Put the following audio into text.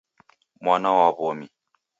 Mwana wa womi